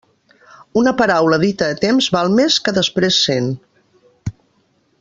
Una paraula dita a temps val més que després cent.